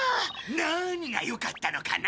何がよかったのかな？